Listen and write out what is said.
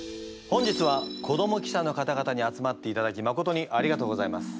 本日は子ども記者の方々に集まっていただきまことにありがとうございます。